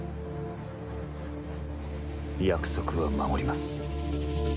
約束は守ります。